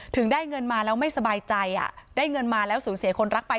ถึงได้เงินมาแล้วไม่สบายใจได้เงินมาแล้วสูญเสียคนรักไป